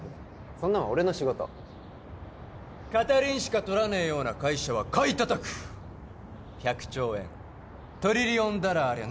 そんなんは俺の仕事片輪しかとらねえような会社は買いたたく１００兆円トリリオンダラーありゃ